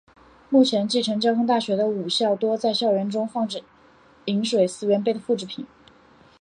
目前继承交通大学的五校多在校园中放置饮水思源碑的复制品。